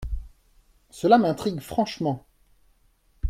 Cela m’intrigue franchement !